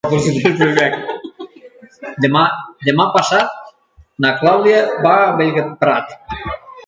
Demà passat na Clàudia va a Bellprat.